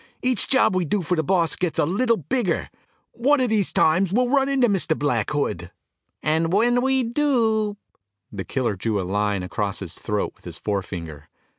Each job we do for the boss gets a little bigger. One of these times we'll run into Mr. Black Hood." "And when we do " the killer drew a line across his throat with his forefinger.